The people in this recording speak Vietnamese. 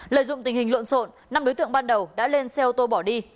lợi dụng tình hình luận sộn năm đối tượng ban đầu đã lên xe ô tô bỏ đi